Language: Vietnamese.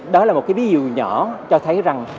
đó là một cái ví dụ nhỏ cho thấy rằng